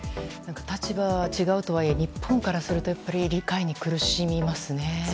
立場は違うとはいえ日本からするとやっぱり、理解に苦しみますね。